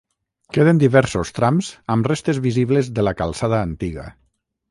Queden diversos trams amb restes visibles de la calçada antiga.